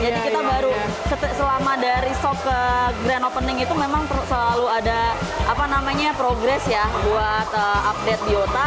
jadi kita baru selama dari shop ke grand opening itu memang selalu ada progress ya buat update biota